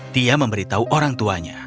dia memberitahu orang tuanya